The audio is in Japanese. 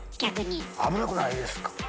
危なくないですか？